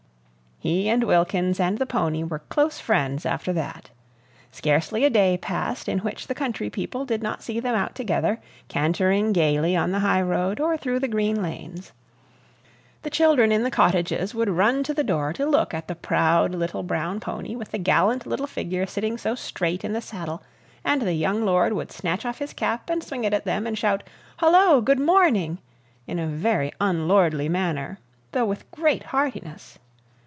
He and Wilkins and the pony were close friends after that. Scarcely a day passed in which the country people did not see them out together, cantering gayly on the highroad or through the green lanes. The children in the cottages would run to the door to look at the proud little brown pony with the gallant little figure sitting so straight in the saddle, and the young lord would snatch off his cap and swing it at them, and shout, "Hullo! Good morning!" in a very unlordly manner, though with great heartiness.